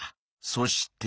そして。